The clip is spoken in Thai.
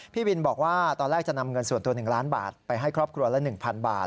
พี่บินบอกว่าตอนแรกจะนำเงินส่วนตัว๑ล้านบาทไปให้ครอบครัวละ๑๐๐บาท